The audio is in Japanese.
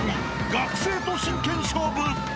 学生と真剣勝負］